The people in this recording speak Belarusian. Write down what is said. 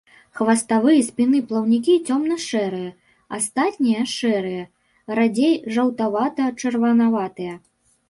Хваставы і спінны плаўнікі цёмна-шэрыя, астатнія шэрыя, радзей жаўтавата-чырванаватыя.